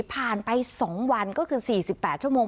ผ่านไป๒วันก็คือ๔๘ชั่วโมง